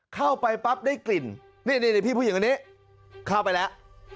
เข้าไปปั๊บได้กลิ่นนี่พี่ผู้หญิงคนนี้เข้าไปแล้ว